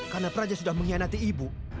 karena praja sudah mengkhianati ibu